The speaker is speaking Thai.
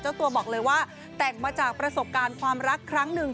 เจ้าตัวบอกเลยว่าแต่งมาจากประสบการณ์ความรักครั้งหนึ่ง